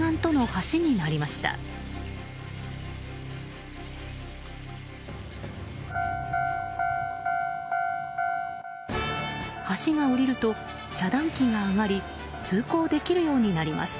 橋が下りると遮断機が上がり通行できるようになります。